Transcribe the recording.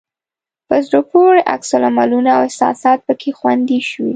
په زړه پورې عکس العملونه او احساسات پکې خوندي شوي.